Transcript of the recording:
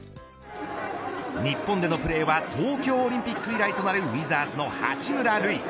日本でのプレーは東京オリンピック以来となるウィザーズの八村塁。